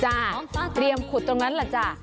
จ้าเตรียมขุดตรงนั้นเหรอจ้า